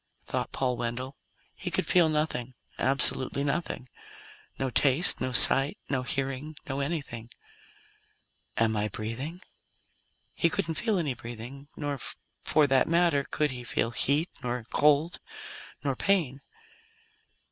thought Paul Wendell. He could feel nothing. Absolutely nothing: No taste, no sight, no hearing, no anything. "Am I breathing?" He couldn't feel any breathing. Nor, for that matter, could he feel heat, nor cold, nor pain.